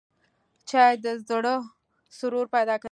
چای د زړه سرور پیدا کوي